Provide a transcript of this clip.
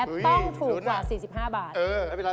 ต้องถูกกว่า๔๕บาท